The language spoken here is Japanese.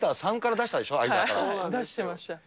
出してました。